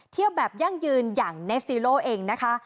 เที่ยวแบบยั่งยืนอย่างเนสซีโลเองนะคะ